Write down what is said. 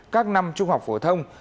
các năm trung học phổ thông